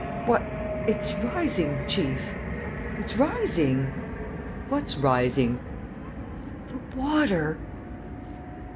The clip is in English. "Why, it's rising, chief, it's rising! ..." "What's rising?" "The water!